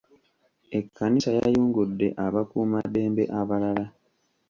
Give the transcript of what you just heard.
Ekkanisa yayungudde abakuuma ddembe abalala.